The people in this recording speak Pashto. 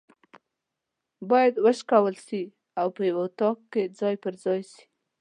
بايد وشکول سي او په یو اطاق کي ځای پر ځای سي